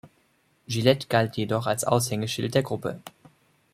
Gillette galt jedoch als Aushängeschild der Gruppe.